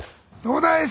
どうだい？